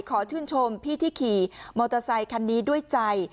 ขอชื่นชมพี่ที่ขี่มอเตอร์ไซคันนี้ด้วยใจ